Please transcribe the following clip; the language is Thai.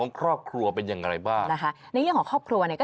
งานเยอะง